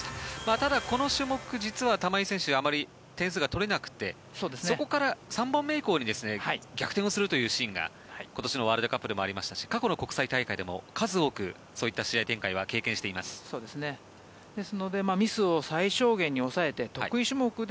ただこの種目、実は玉井選手あまり点数が取れなくてそこから３本目以降に逆転をするというシーンが今年のワールドカップでもありましたし過去の国際大会でも数多くそういった試合展開は経験しています。